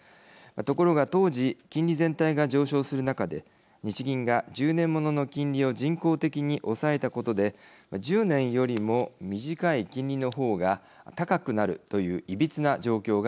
ところが当時金利全体が上昇する中で日銀が１０年ものの金利を人工的に抑えたことで１０年よりも短い金利の方が高くなるといういびつな状況が発生。